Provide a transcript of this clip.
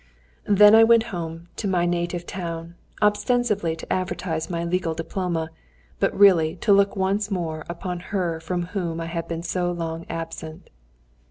Then I went home to my native town, ostensibly to advertise my legal diploma, but really to look once more upon her from whom I had been so long absent.